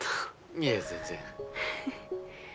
いえ全然。